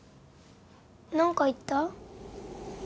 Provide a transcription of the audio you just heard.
何か言った？